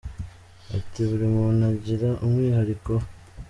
Ati” Buri muntu agira umwihariko we.